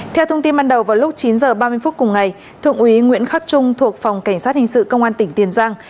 theo thông tin ban đầu vào lúc chín h ba mươi phút cùng ngày thượng úy nguyễn khắc trung thuộc phòng cảnh sát hình sự công an tỉnh tiền giang